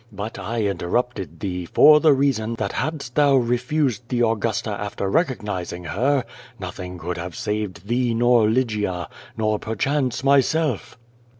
But I interrupted thee, for the reason that hadst thou refused the Augusta after recognizing her, nothing could have saved thee nor Lygia, nor perchance myself."